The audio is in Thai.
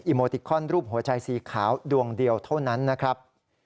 โมติคอนรูปหัวใจสีขาวดวงเดียวเท่านั้นนะครับ